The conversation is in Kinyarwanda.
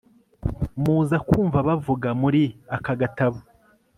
muza kumva bavuga muri aka gatabo